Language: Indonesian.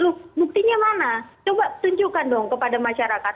loh buktinya mana coba tunjukkan dong kepada masyarakat